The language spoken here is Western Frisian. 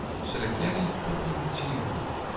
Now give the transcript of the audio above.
Selektearje folgjende tsien wurden.